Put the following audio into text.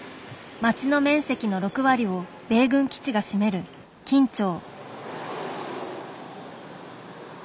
町の面積の６割を米軍基地が占める金武町。